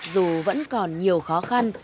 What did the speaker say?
dù vẫn còn nhiều khóa